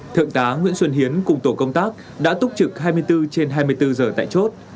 thượng tá nguyễn xuân hiến cùng tổ công tác đã túc trực hai mươi bốn trên hai mươi bốn giờ tại chốt